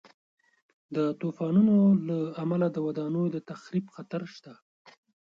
د طوفانونو له امله د ودانیو د تخریب خطر شته.